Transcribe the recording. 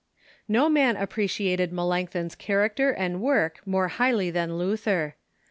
No man appreciated Melanchthon's character and work more highly than Luther.